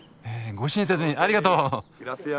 ご親切にありがとう。